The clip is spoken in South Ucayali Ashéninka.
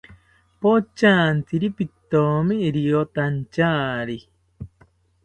Pochantiri pitoni riyotantyari